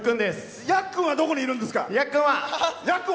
ヤックンはどこにいるんですか？